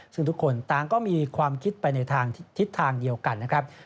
ซึ่งทุกคนต่างก็มีความคิดไปในทางทิศทางเดียวกันนะครับ